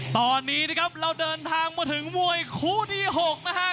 ตอนนี้นะครับเราเดินทางมาถึงมวยคู่ที่๖นะฮะ